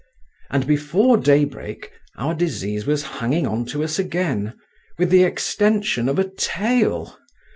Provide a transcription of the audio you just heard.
And before daybreak our disease was hanging on to us again, with the extension of a tail.